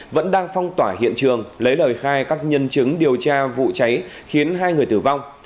vẫn đang phong tỏa hiện trường lấy lời khai các nhân chứng điều tra vụ cháy khiến hai người tử vong